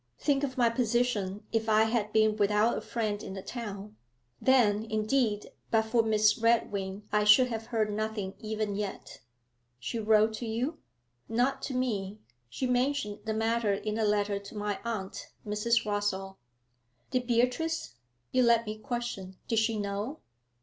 Think of my position if I had been without a friend in the town. Then, indeed, but for Miss Redwing I should have heard nothing even yet.' 'She wrote to you?' 'Not to me; she mentioned the matter in a letter to my aunt, Mrs. Rossall.' 'Did Beatrice you let me question? did she know?'